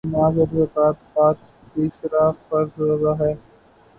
نماز اور زکوٰۃ کے بعدتیسرا فرض روزہ ہے